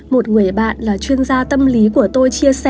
một người bạn là chuyên gia tâm lý của tôi chia sẻ